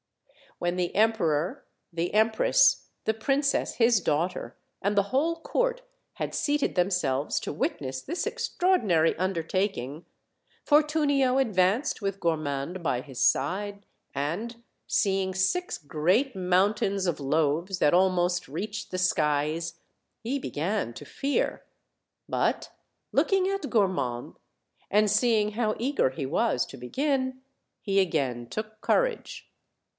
When the emperor, the empress, the princess his daughter, and the whole court had seated themselves to witness this extraordinary undertaking, Fortunio ad vanced with Gormand by his side, and, seeing six great mountains of loaves that almost reached the skies, he began to fear; but looking at Gormand, and seeing how eager he was to begin, he again took courage.